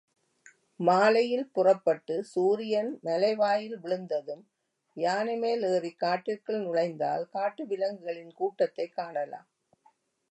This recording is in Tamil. மாலையில் புறப்பட்டு, சூரியன் மலைவாயில் விழுந்ததும் யானை மேல் ஏறிக் காட்டிற்குள் நுழைந்தால், காட்டு விலங்குகளின் கூட்டத்தைக் காணலாம்.